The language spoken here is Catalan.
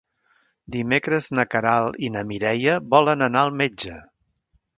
Dimecres na Queralt i na Mireia volen anar al metge.